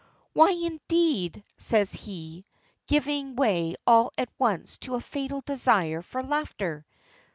"Why indeed?" says he, giving way all at once to a fatal desire for laughter.